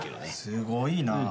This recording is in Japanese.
すごいな。